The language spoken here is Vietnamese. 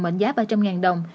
mệnh giá ba trăm linh đồng